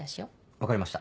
分かりました。